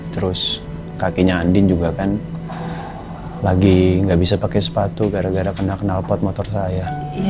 terus kakinya andin juga kan lagi nggak bisa pakai sepatu gara gara kena kenal pot motor saya